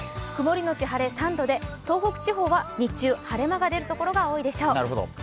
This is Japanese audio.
曇りのち晴れ、３度で東北地方は日中晴れ間が出るところが多いでしょう。